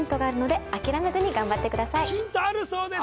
ヒントあるそうです